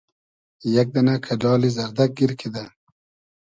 یئگ دئنۂ کئۮالی زئردئگ گیر کیدۂ